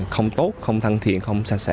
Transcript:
không tốt không thân thiện không sạch sẽ